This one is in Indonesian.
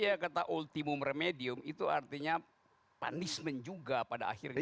iya kata ultimum remedium itu artinya punishment juga pada akhirnya